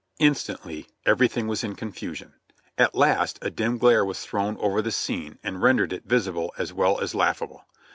Instantly everything was in confusion. At last a dim glare was thrown over the scene and rendered it visible as well as laughable.